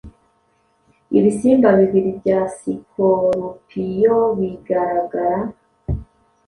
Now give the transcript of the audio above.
ibisimba bibiri bya sikorupiyobigaragara